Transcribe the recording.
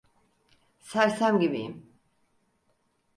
Sersem gibiyim.